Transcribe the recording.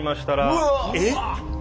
うわ！えっ？